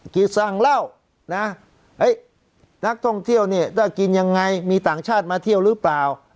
กิจสั่งเหล้านะนักท่องเที่ยวเนี่ยถ้ากินยังไงมีต่างชาติมาเที่ยวหรือเปล่า